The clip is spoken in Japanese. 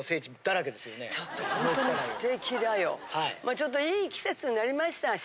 ちょっといい季節になりましたし。